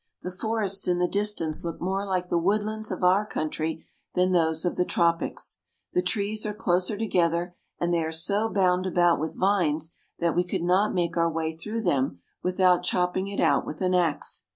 The forests in the distance look more like the woodlands of our country than those of the tropics. The trees are closer together, and they are so bound about with vines that we could not make our way through them without chopping it out with an ax.